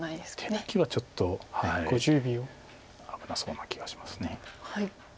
手抜きはちょっと危なそうな気がします。